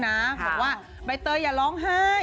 บอกว่าใบเตยอย่าร้องไห้